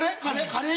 カレー？